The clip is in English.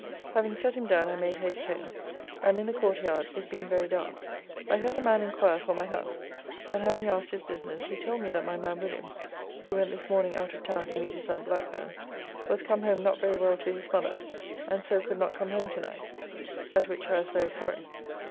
Having set him down I made haste home, and in the courtyard, it being very dark, I heard a man inquire for my house, and having asked his business, he told me that my man William (who went this morning out of town to meet his aunt Blackburne) was come home not very well to his mother, and so could not come home to night. At which I was very sorry.